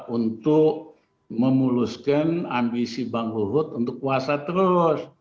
untuk memuluskan ambisi bang luhut untuk kuasa terus